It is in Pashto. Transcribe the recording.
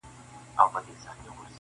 • پر کابل مي جنګېدلی بیرغ غواړم -